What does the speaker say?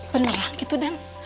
beneran gitu dan